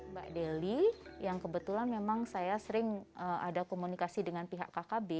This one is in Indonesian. mbak deli yang kebetulan memang saya sering ada komunikasi dengan pihak kkb